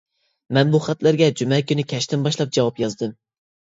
مەن بۇ خەتلەرگە جۈمە كۈنى كەچتىن باشلاپ جاۋاب يازدىم.